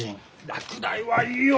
落第はいいよ！